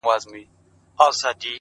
• اوس خو رڼاگاني كيسې نه كوي ـ